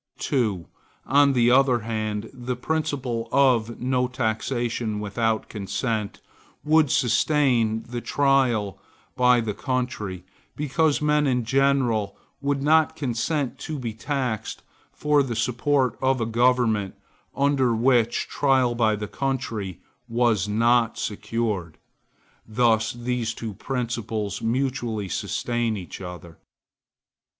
2. On the other hand, the principle of no taxation without consent would sustain the trial by the country, because men in general would not consent to be taxed for the support of a government under which trial by the country was not secured. Thus these two principles mutually sustain each other.